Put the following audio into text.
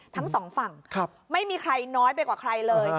ทั้งสองฝั่งไม่มีใครน้อยไปกว่าใครเลย